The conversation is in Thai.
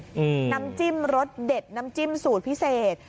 น้ำจิ้มรสเด็ดน้ำจิ้มสูตรพิเศษ